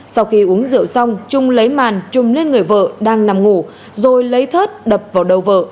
sau khi uống rượu xong trung lấy màn trùng lên người vợ đang nằm ngủ rồi lấy thớt đập vào đầu vợ